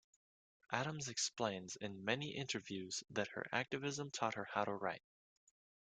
Adams explains, in many interviews, that her activism taught her how to write.